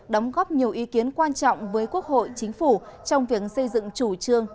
đóng góp nhiều ý kiến quan trọng với quốc hội chính phủ trong việc xây dựng chủ trương